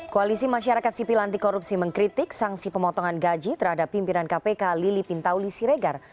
koalisi masyarakat sipil anti korupsi mengkritik sanksi pemotongan gaji terhadap pimpinan kpk lili pintauli siregar